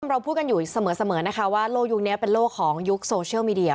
เราพูดกันอยู่เสมอนะคะว่าโลกยุคนี้เป็นโลกของยุคโซเชียลมีเดีย